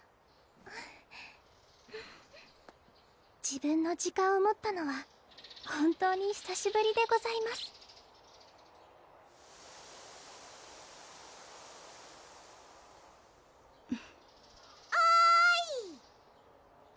自分の時間を持ったのは本当にひさしぶりでございますおい！